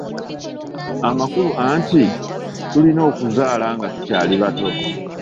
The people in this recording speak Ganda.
Amakulu anti tulina okuzaala nga tukyali bato.